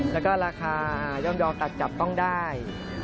แล้วก็ราคาย่อมตัดจับต้องได้